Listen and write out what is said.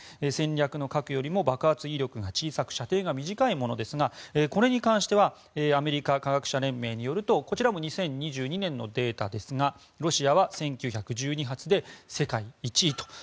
戦略の核よりも爆発威力が小さく射程が短いものですがこれに関してはアメリカ科学者連盟によるとこちらも２０２２年のデータですがロシアは１９１２発で世界１位と。